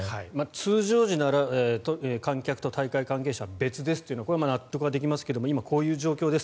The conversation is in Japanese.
通常時なら観客と大会関係者は別ですというこれは納得できますが今はこういう状況です。